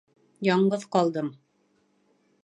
Яңғыҙ ҡалдым!..